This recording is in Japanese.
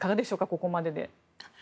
ここまでで。